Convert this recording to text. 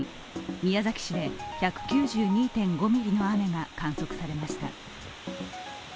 宮崎市で１９２．５ミリの雨が観測されました。